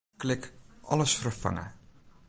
Klik Alles ferfange.